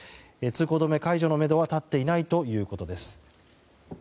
通行止め解除のめどは立っていないということです。